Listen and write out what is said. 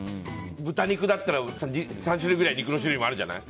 豚肉だったら、３種類くらい肉の種類もあるじゃない。